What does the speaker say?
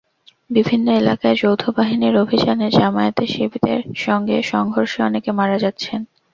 বিভিন্ন এলাকায় যৌথ বাহিনীর অভিযানে জামায়াত-শিবিরের সঙ্গে সংঘর্ষে অনেকে মারা যাচ্ছেন।